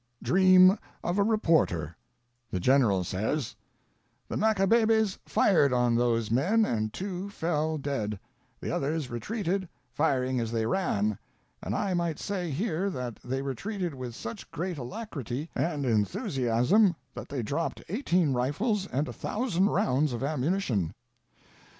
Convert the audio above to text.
Dream of a reporter, the General says :" The Macabebes fired on those men and two fell dead ; the others retreated, firing as they ran, and I might say here that they retreated with such great alacrity and enthusiasm that they dropped eighteen rifles and a thousand rounds of ammunition.